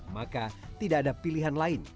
maka tidak ada pilihan lain